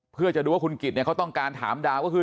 เพื่อจะดูว่าคุณกิจเนี่ยเขาต้องการถามดาวก็คือ